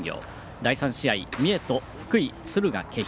第３試合、三重と福井・敦賀気比。